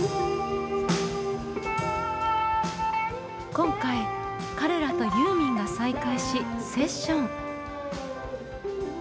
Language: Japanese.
今回彼らとユーミンが再会しセッション。